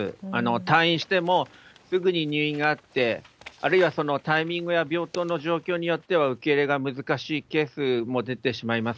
退院してもすぐに入院があって、あるいはそのタイミングや病棟の状況によっては受け入れが難しいケースも出てしまいます。